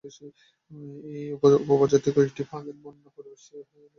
এই উপপ্রজাতির কয়েকটি বাঘের বন্য পরিবেশে থাকার খুব অল্প সম্ভাবনা আছে।